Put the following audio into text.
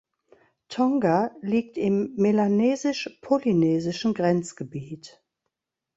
Tonga liegt im melanesisch-polynesischen Grenzgebiet.